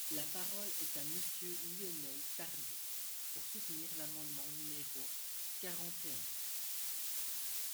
La parole est à Monsieur Lionel Tardy, pour soutenir l’amendement numéro quarante et un.